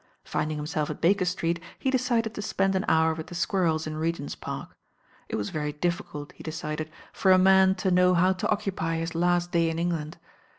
Fmding himself at Baker Street he decided to spend an hour with the squirrels in Regent's Park. It wat very difficult, he decided, for a man to know t07 THE DELUOE ^, how to occupy hi. Utt day in England.